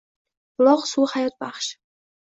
Buloq suvi hayotbaxsh